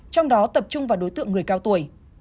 trong đó tập trung vào đối tượng người cao tuổi